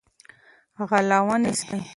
غله ونیسئ.